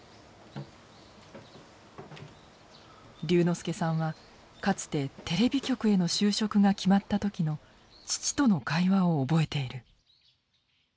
龍之介さんはかつてテレビ局への就職が決まった時の父との会話を覚えている。